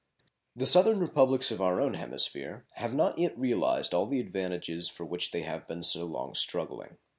The southern Republics of our own hemisphere have not yet realized all the advantages for which they have been so long struggling.